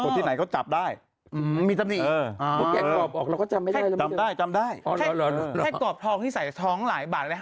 แค่กรอบทองที่ใส่ช้องหลายบาทแล้ว